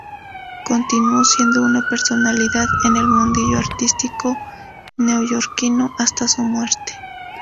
Continuó siendo una personalidad en el mundillo artístico neoyorquino hasta su muerte.